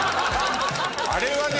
あれはね